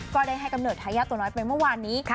ก็ได้ให้กำเนิดทายาทตัวน้อยไปเมื่อวานนี้